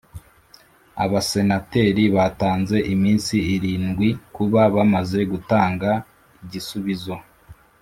Abasenateri batanze iminsi irindwi kuba bamaze gutanga igisubizo